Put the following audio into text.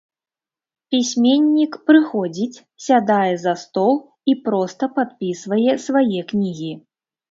Пісьменнік прыходзіць, сядае за стол і проста падпісвае свае кнігі.